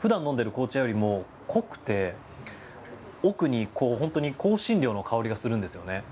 普段飲んでいる紅茶よりも濃くて奥に香辛料の香りがするんですよね。